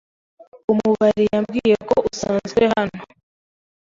Umubari yambwiye ko usanzwe hano.